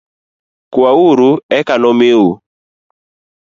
Kwauru eka nomiu